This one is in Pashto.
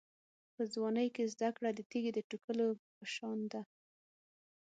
په ځوانۍ کې زده کړه د تېږې د توږلو په شان ده.